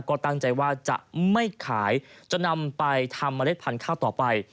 ก็ตั้งใจว่าจะไม่ขายจะนำไปทำเมล็ดพันธุ์ข้าวต่อไป